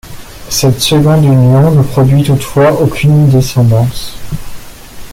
Cette seconde union ne produit toutefois aucune descendance.